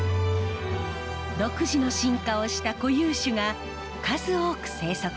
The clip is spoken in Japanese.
独自の進化をした固有種が数多く生息しています。